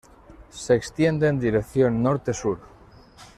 Se extiende en dirección norte-sur.